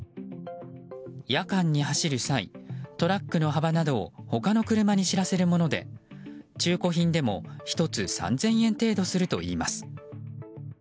夜間に走る際トラックの幅などを他の車に知らせるもので中古品でも、１つ３０００円程度するといいます。